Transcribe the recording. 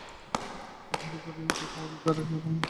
ভারি কঠিন কাজ, আমার দ্বারা হবে কি না সন্দেহ।